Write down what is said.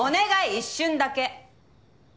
一瞬だけ。